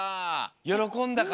よろこんだかな？